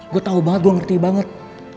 gue tahu banget gue ngerti banget